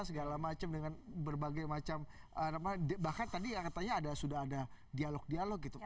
segala macam dengan berbagai macam bahkan tadi katanya ada sudah ada dialog dialog gitu